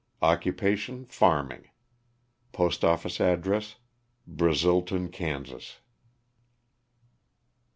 Occupation, farming. Postoffice address, Brazilton, Kansas.